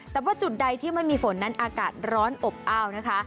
แต่ว่าจุดใดที่ไม่มีฝนนั้นอากาศร้อนอบอ้าวนะคะ